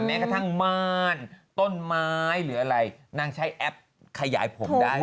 แม้กระทั่งม่านต้นไม้หรืออะไรนางใช้แอปขยายผมได้